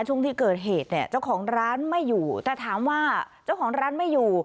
ช่วงที่เกิดเหตุเนี่ยเจ้าของร้านไม่อยู่แต่ถามว่าเจ้าของร้านไม่อยู่